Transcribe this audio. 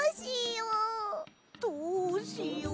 どうしよう？